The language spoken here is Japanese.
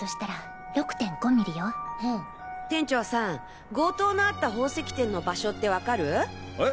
店長さん強盗のあった宝石店の場所ってわかる？え？